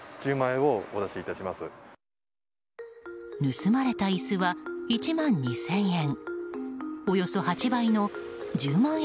盗まれた椅子は１万２０００円。